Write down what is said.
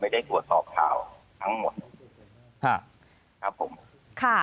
ไม่ได้หัวสอบข่าวทั้งหมด